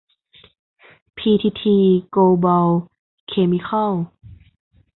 พีทีที โกลบอล เคมิคอล